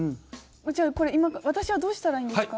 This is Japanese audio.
じゃあこれ、今私はどうしたらいいんですか？